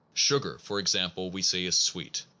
Sugar, for example, we say is sweet.